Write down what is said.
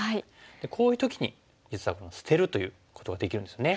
こういう時に実は捨てるということができるんですよね。